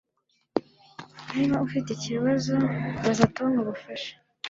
Niba ufite ikibazo baza Tom ubufasha